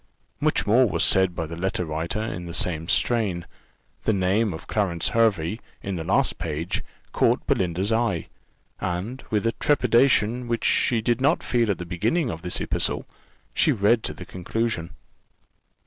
Much more was said by the letter writer in the same strain. The name of Clarence Hervey, in the last page, caught Belinda's eye; and with a trepidation which she did not feel at the beginning of this epistle, she read the conclusion.